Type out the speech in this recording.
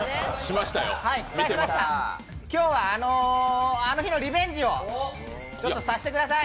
今日はあの日のリベンジをさせてください。